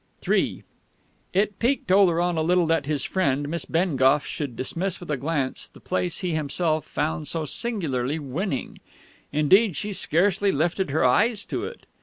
III It piqued Oleron a little that his friend, Miss Bengough, should dismiss with a glance the place he himself had found so singularly winning. Indeed she scarcely lifted her eyes to it.